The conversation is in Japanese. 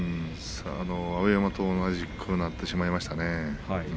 碧山と同じくなってしまいましたね。